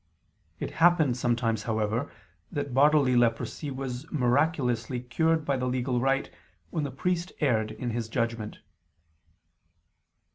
It happened sometimes, however, that bodily leprosy was miraculously cured by the legal rite, when the priest erred in his judgment.